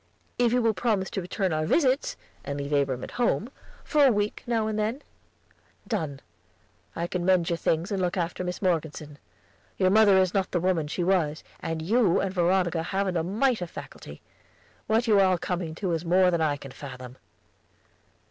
"If you will promise to return our visits, and leave Abram at home, for a week now and then." "Done. I can mend your things and look after Mis Morgeson. Your mother is not the woman she was, and you and Veronica haven't a mite of faculty. What you are all coming to is more than I can fathom."